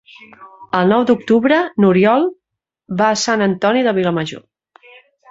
El nou d'octubre n'Oriol va a Sant Antoni de Vilamajor.